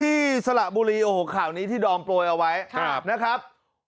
สละบุรีโอ้โหข่าวนี้ที่ดอมโปรยเอาไว้นะครับ